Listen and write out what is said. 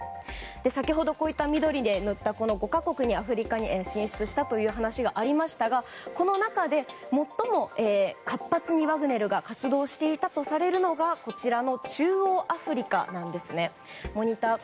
先ほど、緑で塗った５か国でアフリカに進出したという話がありましたがこの中で、最も活発にワグネルが活動していたとされるのがこちらの中央アフリカなんです。